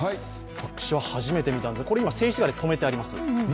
私は初めて見たんですが、これは今静止画で止めてあります。